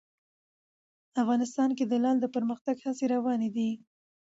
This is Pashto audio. افغانستان کې د لعل د پرمختګ هڅې روانې دي.